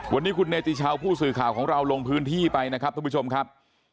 วันนี้คุณเนติชาวผู้สื่อข่าวของเราลงพื้นที่ไปนะครับทุกผู้ชมครับ